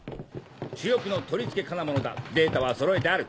主翼の取り付け金物だデータはそろえてある。